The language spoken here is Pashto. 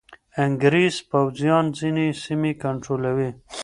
انګریز پوځیان ځینې سیمې کنټرولوي.